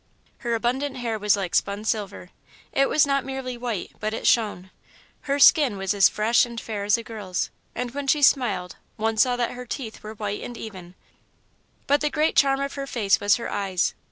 Her abundant hair was like spun silver it was not merely white, but it shone. Her skin was as fresh and fair as a girl's, and when she smiled, one saw that her teeth were white and even; but the great charm of her face was her eyes.